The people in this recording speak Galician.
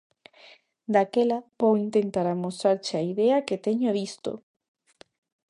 Daquela vou intentar amosarche a idea que teño disto.